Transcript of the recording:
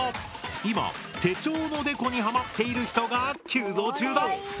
今手帳のデコにハマっている人が急増中だ！